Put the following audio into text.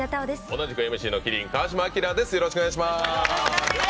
同じくＭＣの麒麟・川島明です。